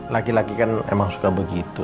laki laki kan emang suka begitu